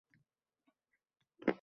San’atga baxshida umr